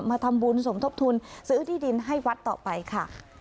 มาทำบุญสมทบทุนซื้อที่ดินให้วัดต่อไปค่ะ